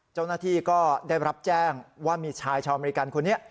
เจ้าหน้าที่ก็ได้รับแจ้งว่ามีชายชาวอเมริกันคนนี้